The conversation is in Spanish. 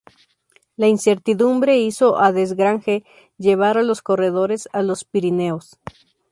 La incertidumbre hizo a Desgrange llevar a los corredores a los Pirineos.